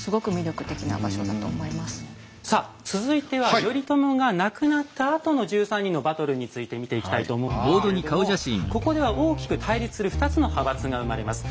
続いては頼朝が亡くなったあとの１３人のバトルについて見ていきたいと思うんですけれどもここでは大きく対立する２つの派閥が生まれます。